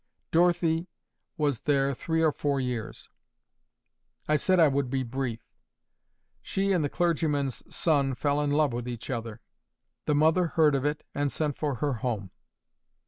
Dorothy was there three or four years. I said I would be brief. She and the clergyman's son fell in love with each other. The mother heard of it, and sent for her home.